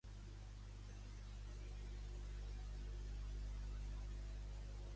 Quins càrrecs va tenir a Podem?